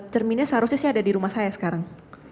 cerminnya seharusnya sih ada di rumah saya sekarang